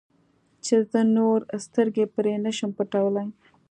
چې زه نور سترګې پرې نه شم پټولی.